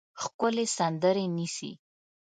ښکلې سندرې نیسي